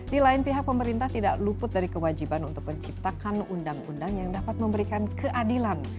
di lain pihak pemerintah tidak luput dari kewajiban untuk menciptakan undang undang yang dapat memberikan keadilan